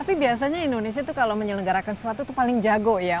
tapi biasanya indonesia tuh kalau menyelenggarakan sesuatu itu paling jago ya